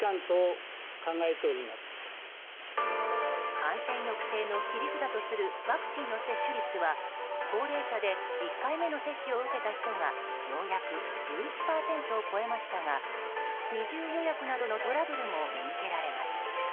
感染抑制の切り札とするワクチンの接種率は高齢者で１回目の接種を受けた人がようやく１１％を超えましたが二重予約などのトラブルも見受けられます。